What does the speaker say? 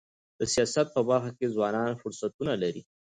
د سیاست په برخه کي ځوانان فرصتونه لري.